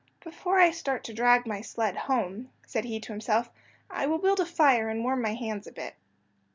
"Before I start to drag my sled home," said he to himself, "I will build a fire and warm my hands a bit."